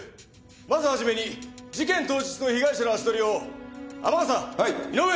まず初めに事件当日の被害者の足取りを天笠井上。